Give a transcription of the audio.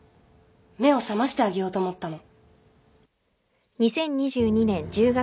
目を覚ましてあげようと思ったの。